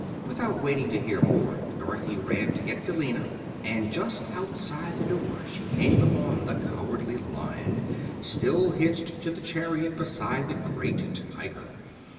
Without waiting to hear more Dorothy ran to get Billina, and just outside the door she came upon the Cowardly Lion, still hitched to the chariot beside the great Tiger.